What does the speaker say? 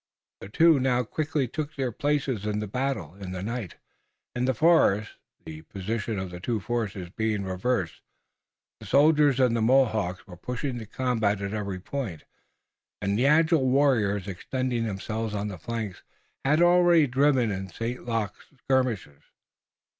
The two now quickly took their places in the battle in the night and the forest, the position of the two forces being reversed. The soldiers and the Mohawks were pushing the combat at every point, and the agile warriors extending themselves on the flanks had already driven in St. Luc's skirmishers.